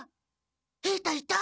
平太いた？